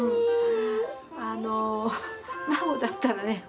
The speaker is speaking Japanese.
あの孫だったらね